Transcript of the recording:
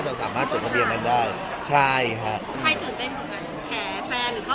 จะสามารถจดทะเบียนกันได้ใช่ใช่ค่ะใครตื่นเต้นพวกนั้นแข